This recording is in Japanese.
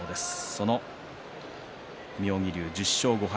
その妙義龍、１０勝５敗